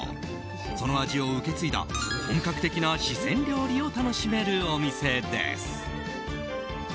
その味を受け継いだ本格的な四川料理を楽しめるお店です。